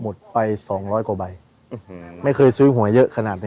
ไปสองร้อยกว่าใบไม่เคยซื้อหวยเยอะขนาดนี้